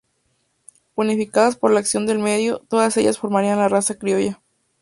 Unificadas por la acción del medio, todas ellas formarían la raza criolla.